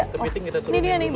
kepiting kita turunin dulu